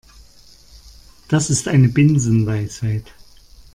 Das ist eine Binsenweisheit.